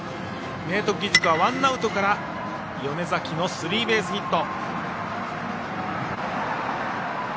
明徳義塾はワンアウトから米崎のスリーベースヒット。